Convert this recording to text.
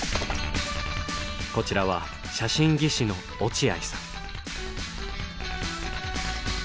こちらは写真技師の落合さん。